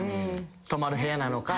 泊まる部屋なのか。